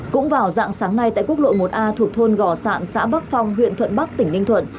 cũng vào dạng sáng nay tại quốc lộ một a thuộc thôn gò sạn xã bắc phong huyện thuận bắc tỉnh ninh thuận